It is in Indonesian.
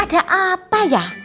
ada apa ya